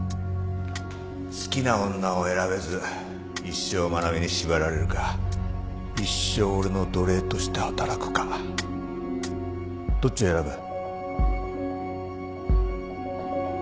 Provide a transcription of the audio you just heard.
好きな女を選べず一生愛菜美に縛られるか一生俺の奴隷として働くかどっち選ぶ？